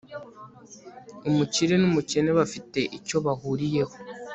umukire n'umukene bafite icyo bahuriyeho